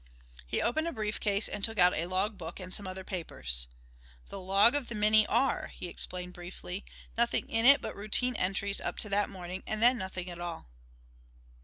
He opened a brief case and took out a log book and some other papers. "The log of the Minnie R.," he explained briefly. "Nothing in it but routine entries up to that morning and then nothing at all."